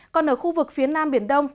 còn ở khu vực phía nam biển đông